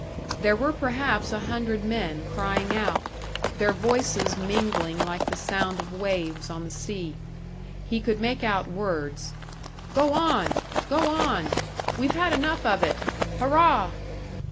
There were perhaps a hundred men crying out, their voices mingling like the sound of waves on the sea. He could make out words: "Go on! Go on! We've had enough of it! Hurrah!"